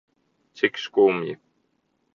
Cik skumji.